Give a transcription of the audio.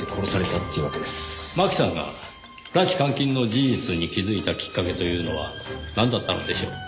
真紀さんが拉致監禁の事実に気づいたきっかけというのはなんだったのでしょう？